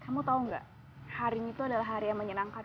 kamu tau gak hari itu adalah hari yang menyenangkan